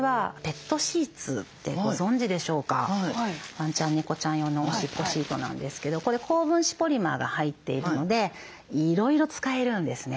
ワンちゃんネコちゃん用のおしっこシートなんですけどこれ高分子ポリマーが入っているのでいろいろ使えるんですね。